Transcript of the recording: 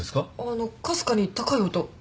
あのかすかに高い音。